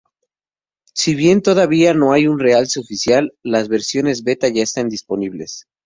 Si bien todavía no hay un "release" oficial, las versiones beta ya están disponibles.